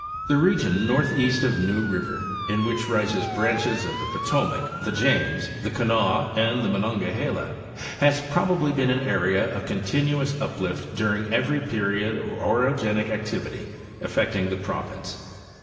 The region northeast of New river, in which rise branches of the Potomac, the James, the Kanawha and the Monongahela, has probably been an area of continuous uplift during every period of orogenic activity affecting the province.